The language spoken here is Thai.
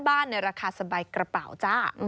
ในราคาสบายกระเป๋าจ้า